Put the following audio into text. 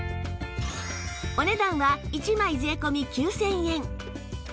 お値段は１枚税込９０００円